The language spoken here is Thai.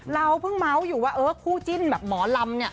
เราพึ่งเม้าอย่ว่าผู้จิ้นหมอลำน่ะ